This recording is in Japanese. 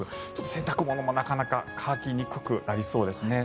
洗濯物もなかなか乾きにくくなりそうですね。